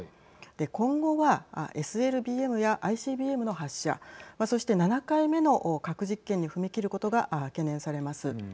今後はＳＬＢＭやＩＣＢＭの発射そして７回目の核実験に踏み切ることが懸念されます。